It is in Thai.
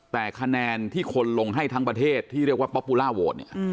แต่คะแนนที่คนลงให้ทั้งประเทศที่เรียกว่าอืม